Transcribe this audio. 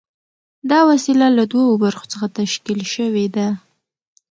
دا وسیله له دوو برخو څخه تشکیل شوې ده.